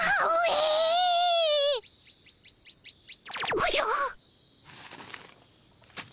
おじゃっ。